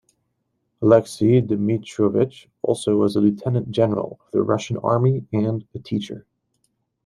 Oleksiy Dmytrovych also was a lieutenant-general of the Russian Army and a teacher.